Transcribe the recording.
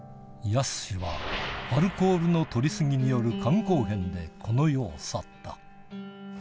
やすしはアルコールの取り過ぎによる肝硬変でこの世を去った。